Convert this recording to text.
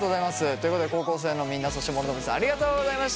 ということで高校生のみんなそして諸富さんありがとうございました。